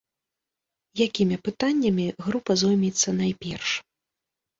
Якімі пытаннямі група зоймецца найперш?